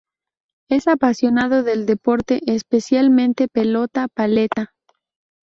Es apasionado del deporte, especialmente pelota paleta.